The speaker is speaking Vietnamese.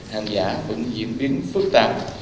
hàng giả cũng diễn biến phức tạp